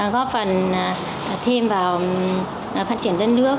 góp phần thêm vào phát triển đất nước